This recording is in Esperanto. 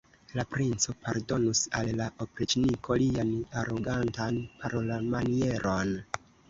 La princo pardonus al la opriĉniko lian arogantan parolmanieron.